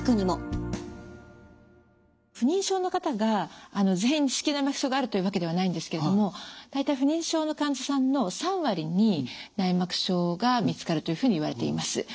不妊症の方が全員子宮内膜症があるというわけではないんですけれども大体不妊症の患者さんの３割に内膜症が見つかるというふうにいわれています。